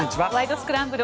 スクランブル」